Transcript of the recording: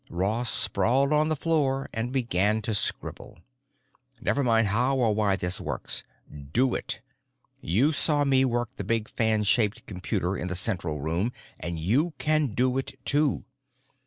Ross sprawled on the floor and began to scribble: "Never mind how or why this works. Do it. You saw me work the big fan shaped computer in the center room and you can do it too.